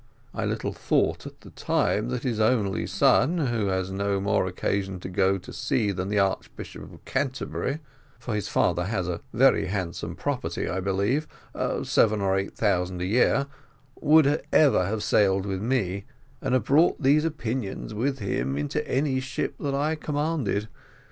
I little thought, at the time, that his only son, who has no more occasion to go to sea than the Archbishop of Canterbury, for his father has a very handsome property I believe seven or eight thousand a year would ever have sailed with me, and have brought these opinions with him into any ship that I commanded.